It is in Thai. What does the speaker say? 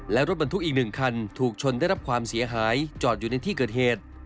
และรถบรรทุกอีก๑คันถูกชนได้รับความเสียหายจอดอยู่ในที่เกิดเหตุ